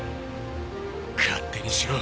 勝手にしろ。